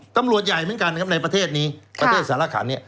ตำรวจใหญ่เหมือนกันในประเทศนี้ประเทศสารคัน